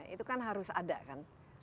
itu kan harus ada kan